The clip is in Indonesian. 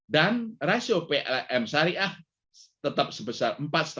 dan rasio plm syariah tetap sebesar empat lima